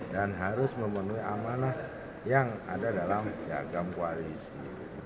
dan harus memenuhi amanah yang ada dalam jagam koalisi